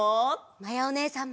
まやおねえさんも！